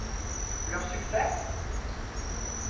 Leur succès ?